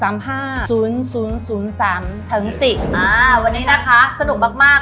วันนี้นะคะสนุกมาก